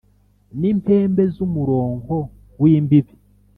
n' impembe z' umuronko w' imbibi